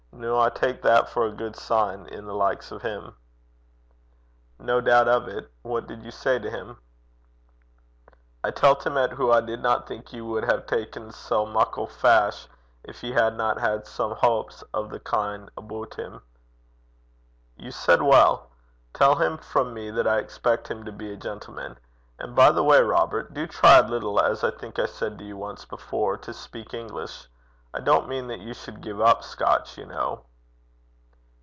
Noo I tak that for a good sign i' the likes o' him.' 'No doubt of it. What did you say to him?' 'I tellt him 'at hoo I didna think ye wad hae ta'en sae muckle fash gin ye hadna had some houps o' the kin' aboot him.' 'You said well. Tell him from me that I expect him to be a gentleman. And by the way, Robert, do try a little, as I think I said to you once before, to speak English. I don't mean that you should give up Scotch, you know.'